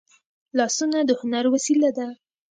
لاسونه د هنر وسیله ده